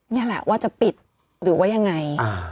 นี่แหละว่าจะปิดหรือว่ายังไง